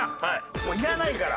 もういらないから！